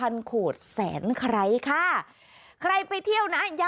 นี่